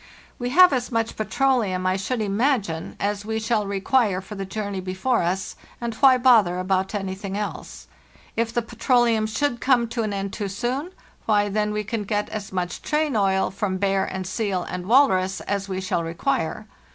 We have as much petroleum, I should imagine, as we shall require for the journey before us, and why bother about anything else? If the petroleum should come to an end too soon, why, then we can get as much train oil from bear and seal and walrus as we shall require.